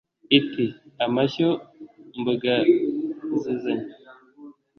iti «amashyo mbogazizanye»